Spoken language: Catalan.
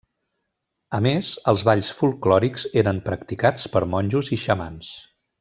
A més, els balls folklòrics eren practicats per monjos i xamans.